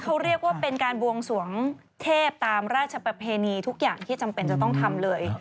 เขาเรียกว่าเป็นการบวงสวงเทพตามราชประเพณีทุกอย่างที่จำเป็นจะต้องทำเลย